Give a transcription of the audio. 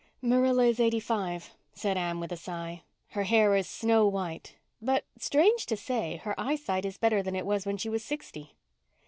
"Marilla is eighty five," said Anne with a sigh. "Her hair is snow white. But, strange to say, her eyesight is better than it was when she was sixty."